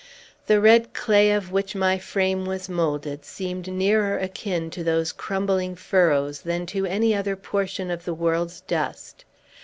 The red clay of which my frame was moulded seemed nearer akin to those crumbling furrows than to any other portion of the world's dust.